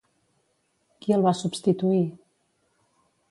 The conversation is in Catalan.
Qui el va substituir?